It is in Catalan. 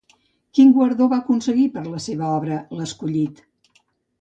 Quin guardó va aconseguir per la seva obra L'escollit?